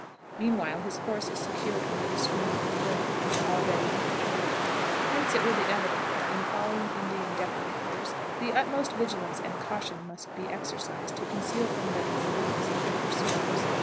Meanwhile his horse is secured under the screen of the hill, all ready when required. Hence it will be evident that, in following Indian depredators, the utmost vigilance and caution must be exercised to conceal from them the movements of their pursuers.